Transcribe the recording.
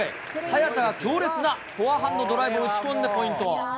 早田が強烈なフォアハンドドライブを打ち込んでポイント。